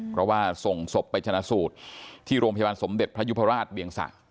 เพราะว่าส่งศพไปชนะสูตรที่โรงพยาบาลสมเด็จพระยุพราชเวียงสะ